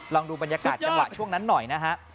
ลองดูบรรยากาศจังหวะช่วงนั้นหน่อยนะฮะ